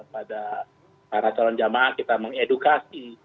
pada para calon jamaah kita mengedukasi